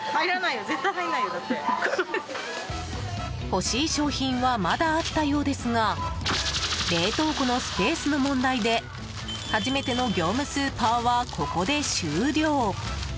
欲しい商品はまだあったようですが冷凍庫のスペースの問題で初めての業務スーパーはここで終了。